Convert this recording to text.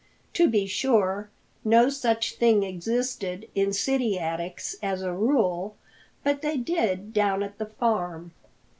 To be sure, no such thing existed in city attics as a rule, but they did down at the farm.